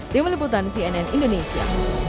tim liputan cnn indonesia